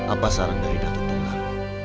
apa saran dari datu tunggal